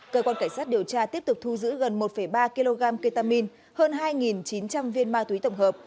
cơ quan cảnh sát điều tra tiếp tục thu giữ gần một ba kg ketamine hơn hai chín trăm linh viên ma túy tổng hợp